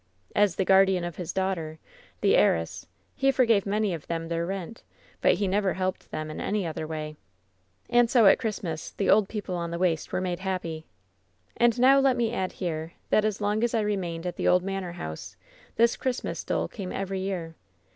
As the guardian of his daughter, the heiress, he forgave many of them their rent, but he never helped them in any other way. And so at Christmas the old people on the waste were made happy. And now let me add here that as long as I remained at the old manor house this Christmas dole came every year.